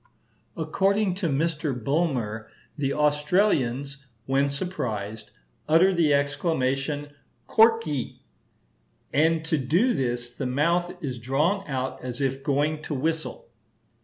According to Mr. Bulmer the Australians, when surprised, utter the exclamation korki, "and to do this the mouth is drawn out as if going to whistle."